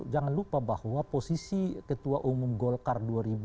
jangan lupa bahwa posisi ketua umum golkar dua ribu dua puluh